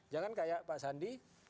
jangan kayak pak sandi